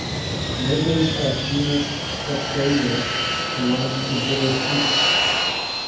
Members of genus "Fasciola" belongs to liver flukes.